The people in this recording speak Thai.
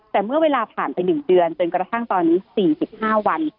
แต่เมื่อเวลาผ่านไป๑เดือนจนกระทั่งตอนนี้๔๕วัน